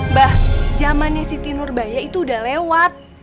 mbah zamannya si tinurbaya itu udah lewat